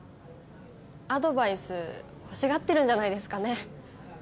アドバイス欲しがってるんじゃないですかね。